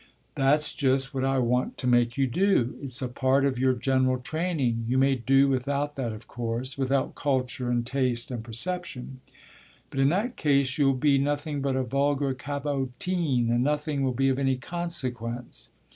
"That's just what I want to make you do. It's a part of your general training. You may do without that of course without culture and taste and perception; but in that case you'll be nothing but a vulgar cabotine, and nothing will be of any consequence."